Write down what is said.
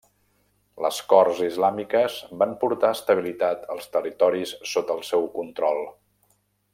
Les Corts Islàmiques van portar estabilitat als territoris sota el seu control.